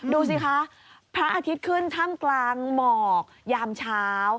ดูสิคะพระอาทิตย์ขึ้นท่ามกลางหมอกยามเช้า